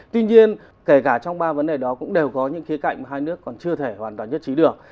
tuy nhiên kể cả trong ba vấn đề đó cũng đều có những khía cạnh mà hai nước còn chưa thể hoàn toàn nhất trí được